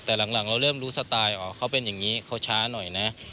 แต่หลังเราเริ่มรู้สไตล์อ๋อเขาเป็นอย่างนี้เขาช้าหน่อยนะ